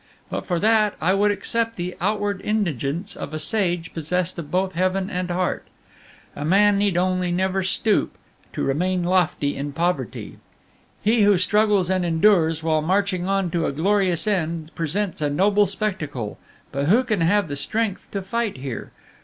But for that, I would accept the outward indigence of a sage possessed of both heaven and heart. A man need only never stoop, to remain lofty in poverty. He who struggles and endures, while marching on to a glorious end, presents a noble spectacle; but who can have the strength to fight here?